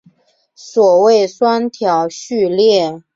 所谓双调序列。